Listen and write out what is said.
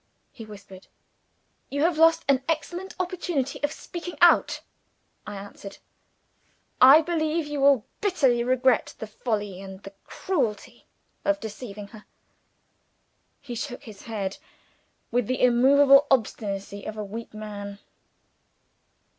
he whispered. "You have lost an excellent opportunity of speaking out," I answered. "I believe you will bitterly regret the folly and the cruelty of deceiving her." He shook his head, with the immovable obstinacy of a weak man.